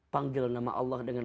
panggil nama allah dengan